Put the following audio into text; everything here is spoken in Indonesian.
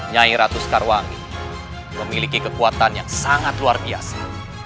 nyai ratu sekarwangi memiliki kekuatan yang sangat luar biasa